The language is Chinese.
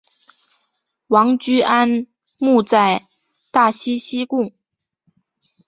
王居安墓在大溪西贡。